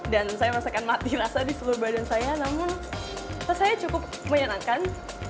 dan saya merasakan mati rasa di seluruh badan saya namun rasanya cukup menyenangkan